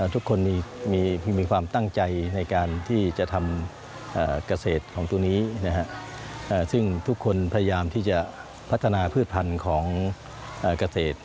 ทุกคนมีความตั้งใจในการที่จะทำเกษตรของตัวนี้ซึ่งทุกคนพยายามที่จะพัฒนาพืชพันธุ์ของเกษตร